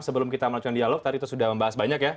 sebelum kita melakukan dialog tadi itu sudah membahas banyak ya